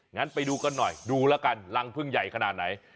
งั้นไปดูกันหน่อยดูแล้วกันรังพึ่งใหญ่ขนาดไหน